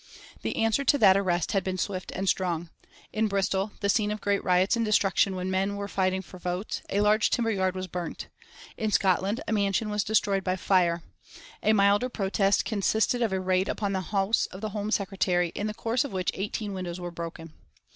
The answer to that arrest had been swift and strong. In Bristol, the scene of great riots and destruction when men were fighting for votes, a large timber yard was burnt. In Scotland a mansion was destroyed by fire. A milder protest consisted of a raid upon the house of the Home Secretary, in the course of which eighteen windows were broken.